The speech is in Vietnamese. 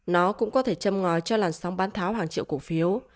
nó cũng có thể châm ngòi cho làn sóng bán tháo hàng triệu cổ phiếu